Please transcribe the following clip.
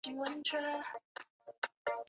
也是诺瓦拉教区荣休主教。